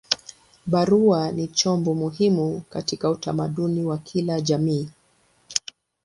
Barua ni chombo muhimu katika utamaduni wa kila jamii.